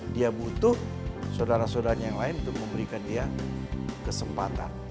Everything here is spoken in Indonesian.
dia butuh saudara saudaranya yang lain untuk memberikan dia kesempatan